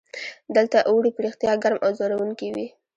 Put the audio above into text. دلته اوړي په رښتیا ګرم او ځوروونکي وي.